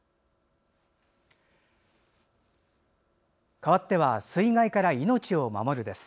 かわっては「水害から命を守る」です。